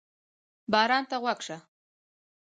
باران ته غوږ شه.